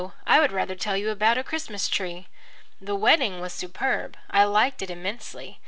I would rather tell you about a Christmas tree. The wedding was superb. I liked it immensely.